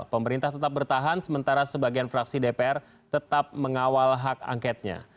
pemerintah tetap bertahan sementara sebagian fraksi dpr tetap mengawal hak angketnya